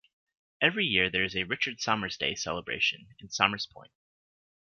Every year there is a Richard Somers Day celebration in Somers Point.